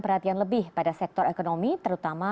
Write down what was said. perhatian lebih pada sektor ekonomi terutama